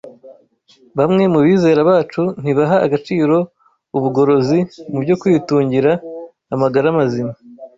Bamwe mu bizera bacu ntibaha agaciro ubugorozi mu byo kwitungira amagara mazima